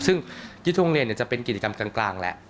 ซึ่งยึดทรงโรงเรียนจะเป็นกิจกรรมกลางแล้ว